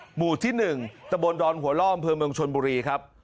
หมู่ที่๑ตะบนดอนหัวล่ออำเภอเมืองชนบุรีครับ